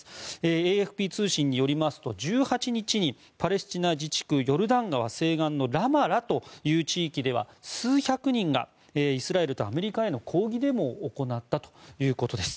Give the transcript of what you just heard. ＡＦＰ通信によりますと１８日にパレスチナ自治区のヨルダン川西岸のラマラという地域では数百人がイスラエルとアメリカへの抗議デモを行ったということです。